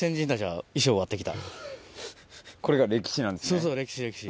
そうそう歴史歴史。